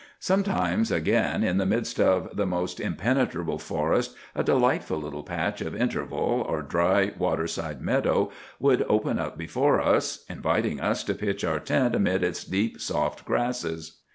Sometimes, again, in the midst of the most impenetrable forest a delightful little patch of interval, or dry waterside meadow, would open up before us, inviting us to pitch our tent amid its deep, soft grasses.